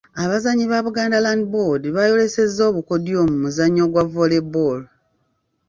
Abazannyi ba Buganda Land Board baayolesezza obukodyo mu muzannyo gwa Volley Ball.